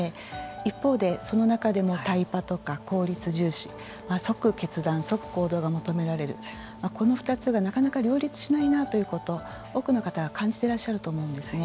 一方で、その中でもタイパとか、効率重視即決断、即行動が求められるこの２つがなかなか両立しないなということを多くの方が感じてらっしゃると思うんですよね。